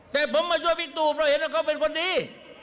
แต่ผมมาช่วยพี่ตูเพราะเห็นว่าเขาเป็นคนดี